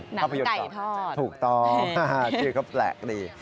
น้ำไก่ทอดถูกตอบชื่อเขาแปลกดี